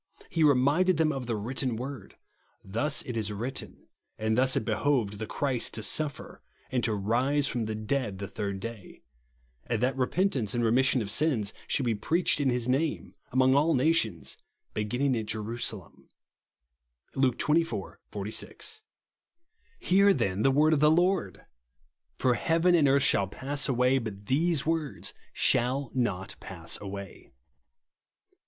He reminded them of the written word, " Thus it is vjritten, and thus it behoved (the) Christ to suffer and to rise from the dead the third day ; and that repentance and remission of sins should be preached in his name, among' all nations, beginning at Jerusalem," (Luke xxiv. 46). Hear, then, the word of the Lord ! For heaven and earth shall pass away, but these words shall not pass away.